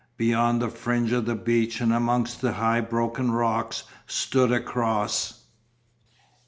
Beyond the fringe of the beach and amongst the high broken rocks stood a cross.